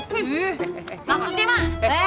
gak maksudnya mah